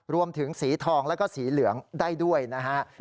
รวมถึงสีทองแล้วก็สีเหลืองได้ด้วยนะฮะ